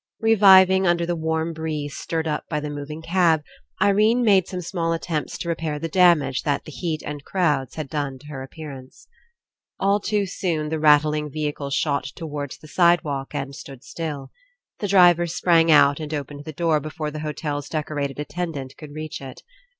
Reviving under the warm breeze stirred up by the moving cab, Irene made some small attempts to repair the damage that the heat and crowds had done to her appear ance. 12 ENCOUNTER All too soon the rattling vehicle shot towards the sidewalk and stood still. The driver sprang out and opened the door before the hotel's decorated attendant could reach It.